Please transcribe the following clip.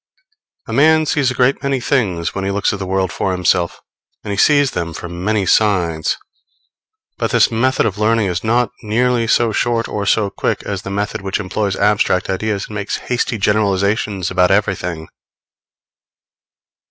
A man sees a great many things when he looks at the world for himself, and he sees them from many sides; but this method of learning is not nearly so short or so quick as the method which employs abstract ideas and makes hasty generalizations about everything.